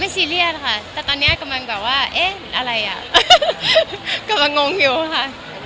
ซีเรียสค่ะแต่ตอนนี้กำลังแบบว่าเอ๊ะอะไรอ่ะกำลังงงอยู่ค่ะ